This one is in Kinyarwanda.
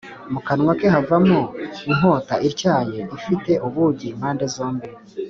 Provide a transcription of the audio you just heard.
mu kanwa ke havamo inkota ityaye ifite ubugi impande zombi.